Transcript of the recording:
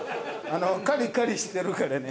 カリカリしてるからね。